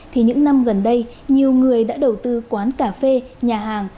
thì những năm gần đây nhiều người đã đầu tư quán cà phê nhà hàng